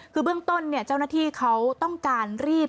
คือเบื้องต้นเจ้าหน้าที่เขาต้องการรีบ